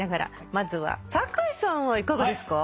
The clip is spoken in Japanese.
まずは酒井さんはいかがですか？